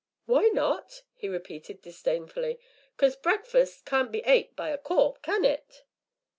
"Why not?" he repeated disdainfully. "'Cause breakfus' can't be ate by a corp', can it?"